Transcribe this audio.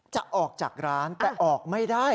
จะออกจากร้านแต่ออกไม่ได้